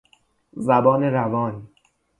زبان روان